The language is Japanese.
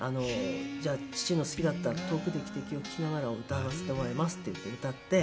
「じゃあ父の好きだった『遠くで汽笛を聞きながら』を歌わせてもらいます」って言って歌って。